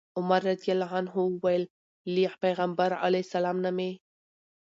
عمر رضي الله عنه وويل: له پيغمبر عليه السلام نه مي